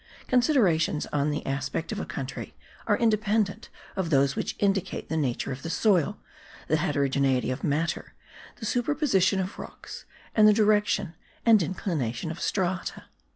Considerations on the aspect of a country are independent of those which indicate the nature of the soil, the heterogeneity of matter, the superposition of rocks and the direction and inclination of strata.